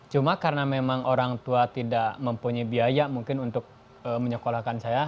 cuma karena memang orang tua tidak mempunyai biaya mungkin untuk menyekolahkan saya